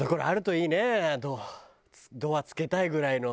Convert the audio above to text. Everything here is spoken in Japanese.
ドアつけたいぐらいの。